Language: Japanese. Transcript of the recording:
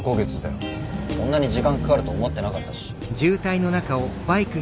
こんなに時間かかると思ってなかったし。